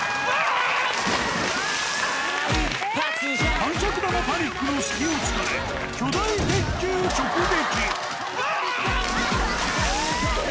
かんしゃく玉パニックの隙を突かれ、巨大鉄球直撃。